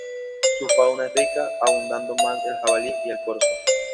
Su fauna es rica, abundando más el jabalí y el corzo.